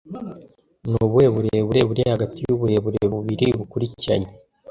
Ni ubuhe burebure buri hagati yuburebure bubiri bukurikiranye